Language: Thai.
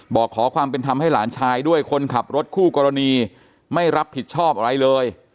บอกขอความเป็นธรรมให้หลานชายด้วยคนขับรถคู่กรณีไม่รับผิดชอบอะไรเลย